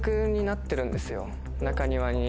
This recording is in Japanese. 中庭に。